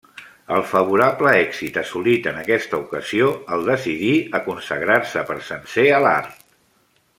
El favorable èxit assolit en aquesta ocasió el decidí a consagrar-se per sencer a l'art.